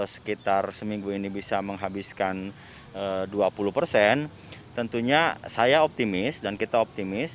sekitar seminggu ini bisa menghabiskan dua puluh persen tentunya saya optimis dan kita optimis